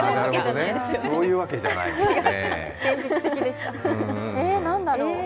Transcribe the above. そういうわけじゃないですね。